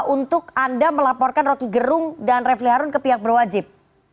untuk anda melaporkan roki gerung dan refliharun ke pihak berwajib